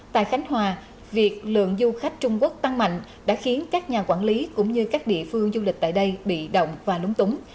tại khánh hòa việc lượng du khách trung quốc tăng mạnh đã khiến các nhà quản lý cũng như các địa phương du lịch tại đây bị động và lúng túng